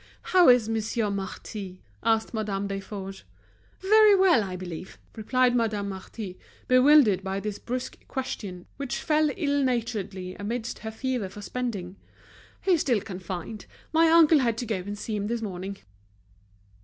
"How is Monsieur Marty?" asked Madame Desforges. "Very well, I believe," replied Madame Marty, bewildered by this brusque question, which fell ill naturedly amidst her fever for spending. "He's still confined, my uncle had to go and see him this morning."